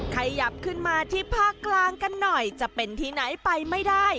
ขยับขึ้นมาที่ภาคกลางกันหน่อยจะเป็นที่ไหนไปไม่ได้